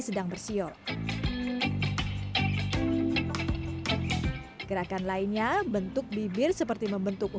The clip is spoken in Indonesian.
sedang bersiul gerakan lainnya bentuk bibir seperti membentuk huruf o